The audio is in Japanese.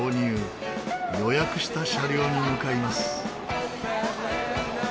予約した車両に向かいます。